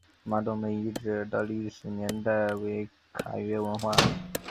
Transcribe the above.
麻洞门遗址的历史年代为卡约文化。